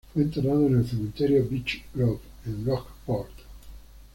Fue enterrado en el Cementerio Beech Grove, en Rockport.